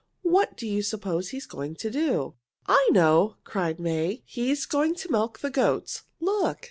What do you suppose he is going to do?" "I know!" cried May. "He is going to milk the goats. Look!